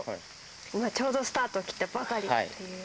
今ちょうどスタートを切ったばかりという。